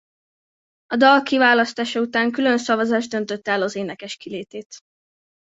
A dal kiválasztása után külön szavazás döntötte el az énekes kilétét.